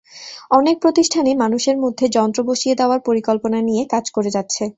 অনেক প্রতিষ্ঠানই মানুষের মধ্যে যন্ত্র বসিয়ে দেওয়ার পরিকল্পনা নিয়ে কাজ করে যাচ্ছে।